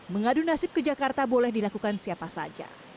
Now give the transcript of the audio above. mengadu nasib ke jakarta boleh dilakukan siapa saja